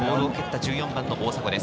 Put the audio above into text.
１４番・大迫です。